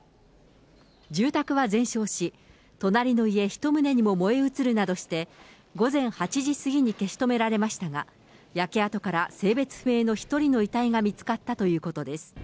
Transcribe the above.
住宅は全焼し、隣の家１棟にも燃え移るなどして、午前８時過ぎに消し止められましたが、焼け跡から性別不明の１人の遺体が見つかったということです。